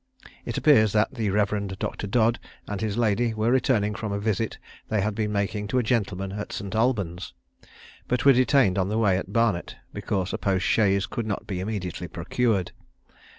It appears that the Rev. Dr. Dodd and his lady were returning from a visit they had been making to a gentleman at St. Albans, but were detained on the way at Barnet, because a post chaise could not be immediately procured.